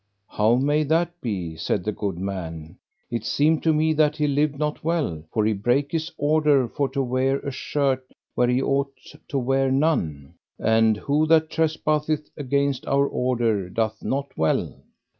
How may that be? said the good man; it seemed to me that he lived not well, for he brake his order for to wear a shirt where he ought to wear none, and who that trespasseth against our order doth not well.